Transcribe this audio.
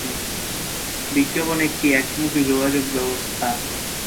বিজ্ঞাপন একটি একমুখী যোগাযোগ ব্যবস্থা।